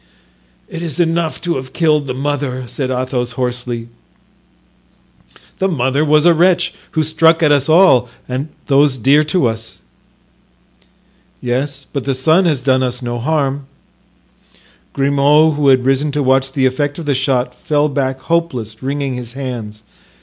"It is enough to have killed the mother," said Athos, hoarsely. "The mother was a wretch, who struck at us all and at those dear to us." "Yes, but the son has done us no harm." Grimaud, who had risen to watch the effect of the shot, fell back hopeless, wringing his hands.